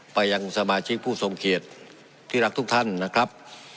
ไปยังสมาชิกผู้ทรงเกียรติที่รักทุกท่านนะครับ